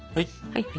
はい。